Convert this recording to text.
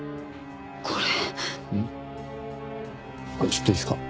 ちょっといいですか？